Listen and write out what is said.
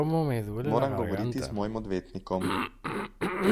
Moram govoriti z mojim odvetnikom.